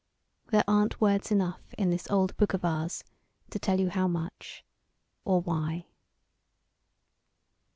There aren't words enough in this old book of ours to tell you how much or why."